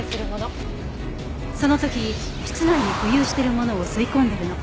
その時室内に浮遊しているものを吸い込んでるの。